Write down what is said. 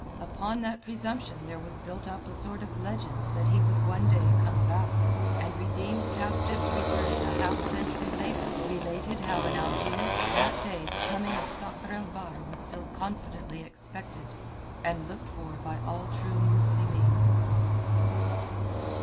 Upon that presumption there was built up a sort of legend that he would one day come back; and redeemed captives returning a half century later related how in Algiers to that day the coming of Sakr el Bahr was still confidently expected and looked for by all true Muslimeen.